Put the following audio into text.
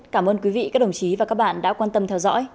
cảm ơn quý vị các đồng chí và các bạn đã quan tâm theo dõi